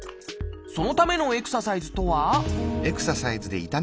そのためのエクササイズとは？